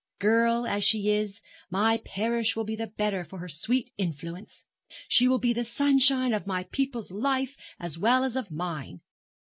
Girl as she is, my parish will be the better for her sweet influence. She will be the sunshine of my people's life as well as of mine.